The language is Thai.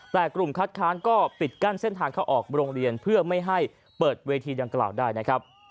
แต่กลุ่มคัดค้านก็ปิดกั้นเส้นทางเข้าออกโรงเรียนเพื่อไม่ให้เปิดเวทีดังกล่าวได้นะครับ